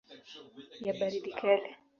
ya baridi kali.